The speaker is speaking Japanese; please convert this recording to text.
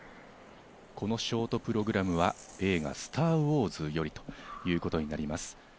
このショートプログラムは、映画『スター・ウォーズ』よりということになります。